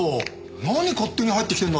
何勝手に入ってきてんだ！